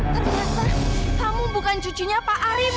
terasa kamu bukan cucunya pak arif